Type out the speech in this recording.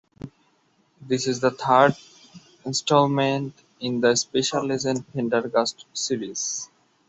This is the third installment in the Special Agent Pendergast series.